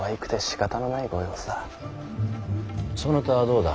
そなたはどうだ？